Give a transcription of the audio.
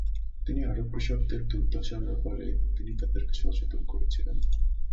তিনি আরব কৃষকদের দুর্দশার ব্যপারে তিনি তাদেরকে সচেতন করেছিলেন।